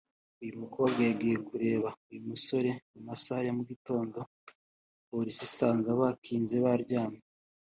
uyu mukobwa yagiye kureba uyu musore mu masaha ya mugitondo polisi isanga bakinze baryamye